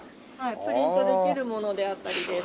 プリントできるものであったりですとか。